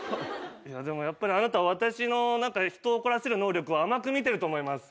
でもやっぱりあなた私の人を怒らせる能力を甘く見てると思います。